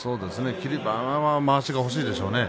霧馬山はまわしが欲しいでしょうね。